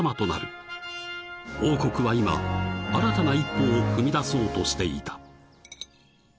［王国は今新たな一歩を踏み出そうとしていた］